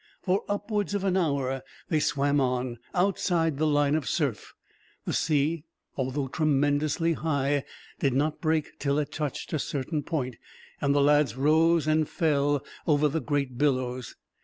For upwards of an hour they swam on, outside the line of surf. The sea, although tremendously high, did not break till it touched a certain point, and the lads rose and fell over the great billows.